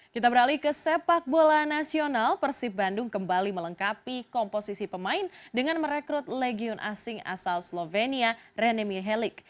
kita beralih ke sepak bola nasional persib bandung kembali melengkapi komposisi pemain dengan merekrut legion asing asal slovenia rene mihelic